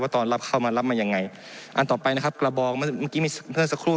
ตอนรับเข้ามารับมายังไงอันต่อไปนะครับกระบองเมื่อกี้เมื่อสักครู่